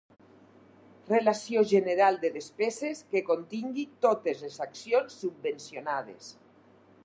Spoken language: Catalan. Relació general de despeses que contingui totes les accions subvencionades.